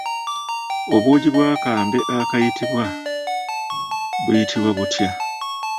Obwogi bw'akambe akayitibwa buyitibwa butya?